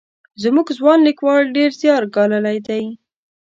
زموږ ځوان لیکوال ډېر زیار ګاللی دی.